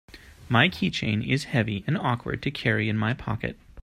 My keychain is heavy and awkward to carry in my pocket.